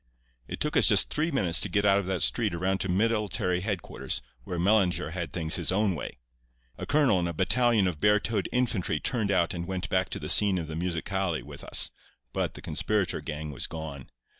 "It took us just three minutes to get out of that street around to military headquarters, where Mellinger had things his own way. A colonel and a battalion of bare toed infantry turned out and went back to the scene of the musicale with us, but the conspirator gang was gone.